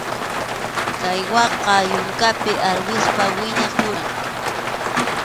Caiguaqa yunkapi arwispa wiñaq yuram.